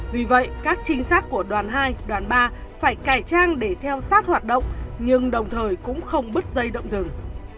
vì vậy các trinh sát của đoàn hai đoàn ba phải cải trang để theo sát hoạt động nhưng đồng thời cũng không đứt dây động rừng